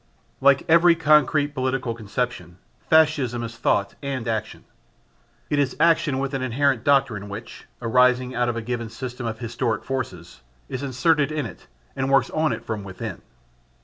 Like every concrete political conception, Fascism is thought and action. It is action with an inherent doctrine which, arising out of a given system of historic forces, is inserted in it and works on it from within.